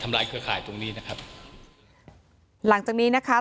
ทำลายเครือข่ายตรงนี้นะครับหลังจากนี้นะคะ